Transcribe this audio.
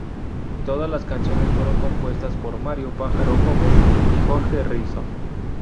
Todas las canciones fueron compuestas por Mario "Pájaro" Gómez y Jorge Risso.